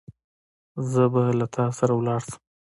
زه به له تا سره لاړ شم.